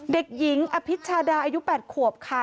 เด็กหญิงอภิชาดาอายุ๘ขวบค่ะ